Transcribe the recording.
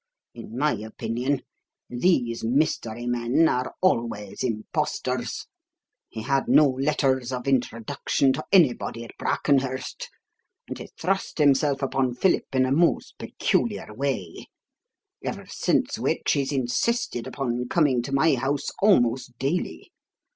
In my opinion, these mystery men are always impostors. He had no letters of introduction to anybody at Brackenhurst; and he thrust himself upon Philip in a most peculiar way; ever since which he's insisted upon coming to my house almost daily.